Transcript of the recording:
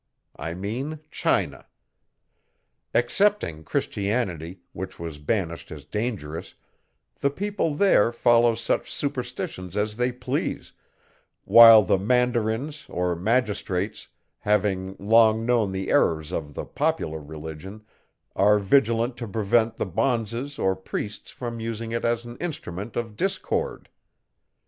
I mean China. Excepting Christianity, which was banished as dangerous, the people there follow such superstitions as they please, while the mandarins, or magistrates, having long known the errors of the popular religion, are vigilant to prevent the bonzes or priests from using it as an instrument of discord.